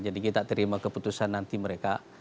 jadi kita terima keputusan nanti mereka